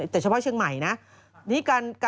แต่เฉพาะเชียงใหม่นะ